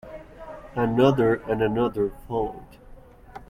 Another and another followed.